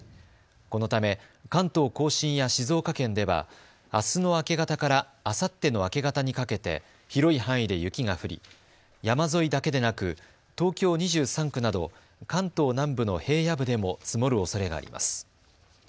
このため関東甲信や静岡県ではあすの明け方からあさっての明け方にかけて広い範囲で雪が降り山沿いだけでなく東京２３区など関東南部の平野部でも積もるおそれがあります。